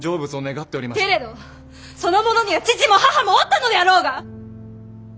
けれどその者には父も母もおったのであろうが！